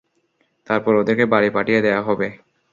তারপর ওদেরকে বাড়ি পাঠিয়ে দেয়া হবে।